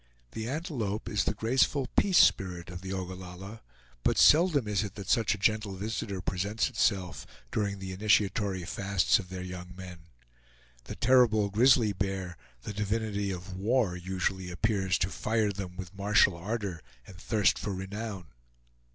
The antelope is the graceful peace spirit of the Ogallalla; but seldom is it that such a gentle visitor presents itself during the initiatory fasts of their young men. The terrible grizzly bear, the divinity of war, usually appears to fire them with martial ardor and thirst for renown.